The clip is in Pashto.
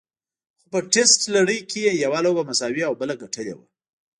خو په ټېسټ لړۍ کې یې یوه لوبه مساوي او بله ګټلې وه.